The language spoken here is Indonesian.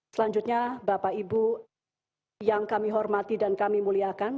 selanjutnya bapak ibu yang kami hormati dan kami muliakan